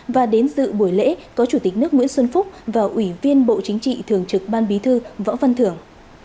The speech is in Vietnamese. và đến dự buổi lễ có chủ tịch nước nguyễn xuân phúc và ủy viên bộ chính trị thường trực ban bí thư võ văn thưởng